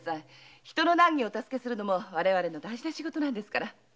人の難儀を助けるのも私たちの大切な仕事ですから。